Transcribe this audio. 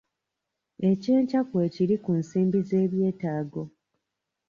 Ekyenkya kwe kiri ku nsimbi z'ebyetaago.